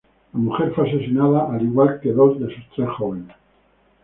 La mujer fue asesinada, al igual que dos de sus tres jóvenes.